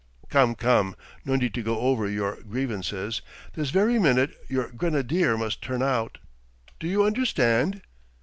"Come, come no need to go over your grievances! This very minute your grenadier must turn out! Do you understand?"